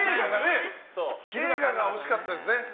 映画が惜しかったですね。